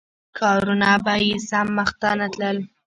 کارونه به یې سم مخته نه تلل.